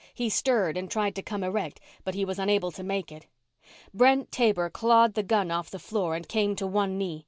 He stirred and tried to come erect but he was unable to make it. Brent Taber clawed the gun off the floor and came to one knee.